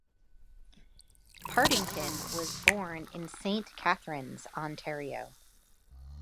Partington was born in Saint Catharines, Ontario.